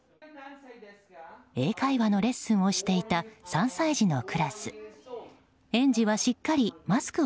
英会話のレッスンをしていた３歳児のクラス。